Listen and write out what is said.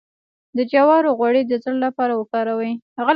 د جوارو غوړي د زړه لپاره وکاروئ